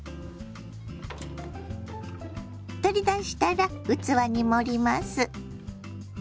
取り出したら器に盛ります。